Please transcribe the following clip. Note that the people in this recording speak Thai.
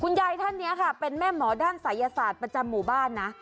ยายท่านนี้ค่ะเป็นแม่หมอด้านศัยศาสตร์ประจำหมู่บ้านนะ